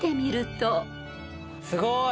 すごーい！